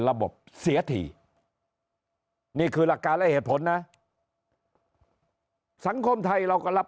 ระบบเสียทีนี่คือหลักการและเหตุผลนะสังคมไทยเราก็รับ